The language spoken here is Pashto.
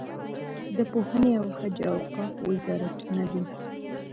د پوهنې او حج او اوقافو وزارتونه دي.